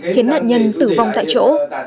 khiến nạn nhân tử vong tại chỗ